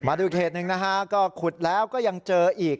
ดูอีกเหตุหนึ่งนะฮะก็ขุดแล้วก็ยังเจออีก